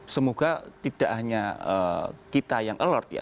semoga tidak hanya kita yang alert ya